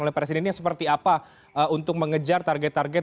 oleh presiden ini seperti apa untuk mengejar target target